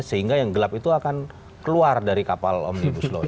sehingga yang gelap itu akan keluar dari kapal omnibus law